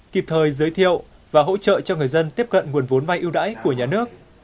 kịp thời giới thiệu và hỗ trợ cho người dân tiếp cận nguồn vốn vai ưu đãi của nhà nước